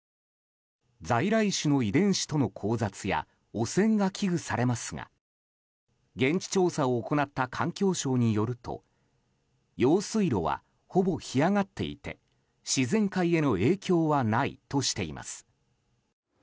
在来種の遺伝子との交雑や汚染が危惧されますが現地調査を行った環境省によると用水路は、ほぼ干上がっていて自然界への影響はないとしています。